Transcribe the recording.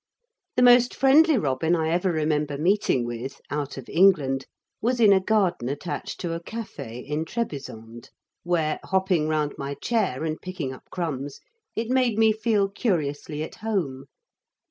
The most friendly robin I ever remember meeting with, out of England was in a garden attached to a café in Trebizond, where, hopping round my chair and picking up crumbs, it made me feel curiously at home.